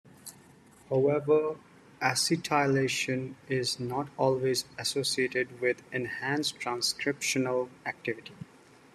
However, acetylation is not always associated with enhanced transcriptional activity.